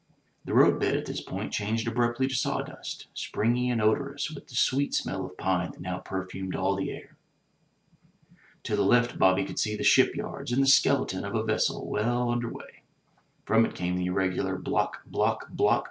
The road bed at this point changed abruptly to sawdust, springy and odorous with the sweet smell of pine that now perfumed all the air. To the left Bobby could see the shipyards and the skeleton of a vessel well under way. From it came the irregular Block! Block! Block!